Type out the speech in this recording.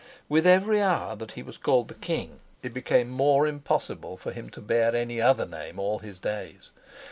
With every hour that he was called the king, it became more impossible for him to bear any other name all his days.